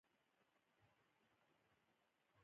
افغانستان د سیلاني ځایونو له پلوه متنوع هېواد دی.